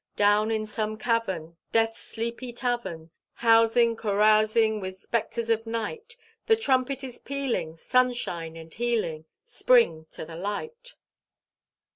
Down in some cavern, Death's sleepy tavern, Housing, carousing with spectres of night? The trumpet is pealing Sunshine and healing Spring to the light.